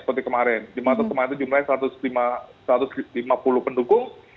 seperti kemarin lima ratus lima ratus jumlahnya satu ratus lima puluh pendukung